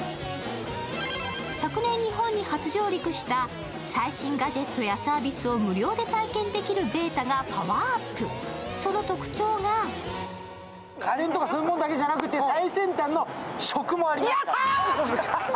昨年、日本に初上陸した最新ガジェットやサービスを無料で体験できるｂ８ｔａがパワーアップ、その特徴が家電とかだけじゃなくて、最先端の食もあります。